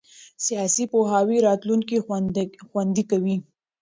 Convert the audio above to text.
سیاسي پوهاوی راتلونکی خوندي کوي